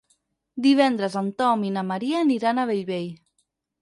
Divendres en Tom i na Maria aniran a Bellvei.